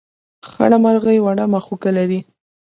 خړه مرغۍ وړه مښوکه لري.